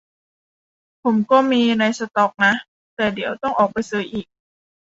ผมก็มีในสต็อกนะ แต่เดี๋ยวต้องออกไปซื้ออีก